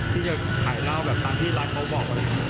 ที่จะขายราวแบบทางที่ร้านเขาบอกว่าไง